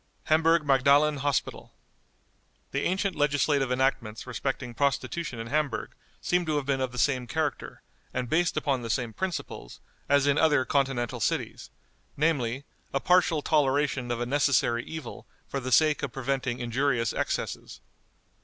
Hamburg Magdalen Hospital. The ancient legislative enactments respecting prostitution in Hamburg seem to have been of the same character, and based upon the same principles, as in other Continental cities, namely, a partial toleration of a necessary evil for the sake of preventing injurious excesses.